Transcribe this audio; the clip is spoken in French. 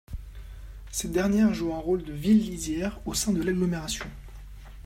Ces dernières jouent un rôle de ville-lisière au sein de l'agglomération.